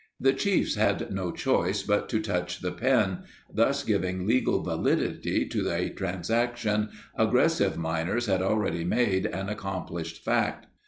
The chiefs had no choice but to "touch the pen," thus giving legal validity to a transaction aggressive miners had already made an accomplished fact.